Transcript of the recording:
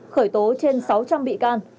khởi tố trên sáu trăm linh bị can